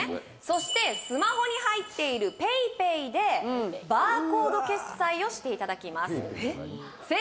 そしてスマホに入っているＰａｙＰａｙでバーコード決済をしていただきますＰａｙＰａｙって何？